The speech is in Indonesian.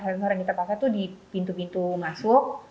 sensor yang kita pakai itu di pintu pintu masuk